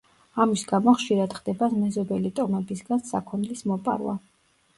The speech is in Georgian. ამის გამო ხშირად ხდება მეზობელი ტომებისგან საქონლის მოპარვა.